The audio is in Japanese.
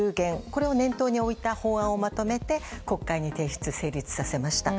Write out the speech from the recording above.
これを念頭に置いた法案をまとめて国会に提出、成立させました。